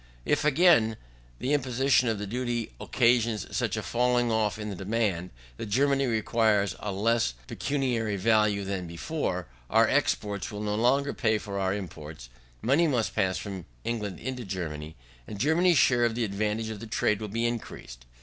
If, again, the imposition of the duty occasions such a falling off in the demand, that Germany requires a less pecuniary value than before, our exports will no longer pay for our imports, money must pass from England into Germany, and Germany's share of the advantage of the trade will be increased.